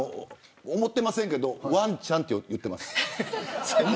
思っていませんけどワンちゃんと言ってます。